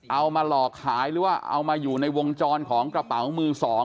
เอามาหลอกขายหรือว่าเอามาอยู่ในวงจรของกระเป๋ามือ๒